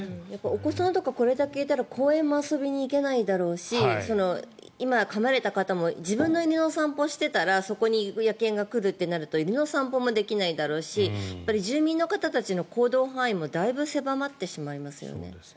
お子さんとかこれだけいたら公園にも遊びに行けないだろうし今、かまれた方も自分の犬の散歩をしていたらそこに野犬が来るってなると犬の散歩もできないだろうし住民の方たちの行動範囲もだいぶ狭まってしまいますよね。